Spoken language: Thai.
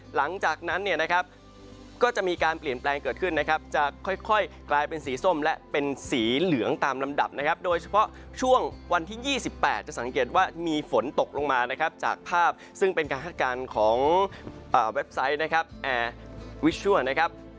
หลังจากนั้นเนี่ยนะครับก็จะมีการเปลี่ยนแปลงเกิดขึ้นนะครับจะค่อยกลายเป็นสีส้มและเป็นสีเหลืองตามลำดับนะครับโดยเฉพาะช่วงวันที่๒๘จะสังเกตว่ามีฝนตกลงมานะครับจากภาพซึ่งเป็นการคาดการณ์ของเว็บไซต์นะครับแอร์วิชชัวร์นะครับ